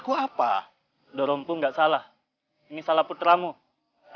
jadi apa sisi cond prestigeango judul pada pengithe gutsjo